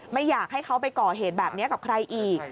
ไม่อยากให้เขาไปก่อเหตุแบบนี้กับใครอีก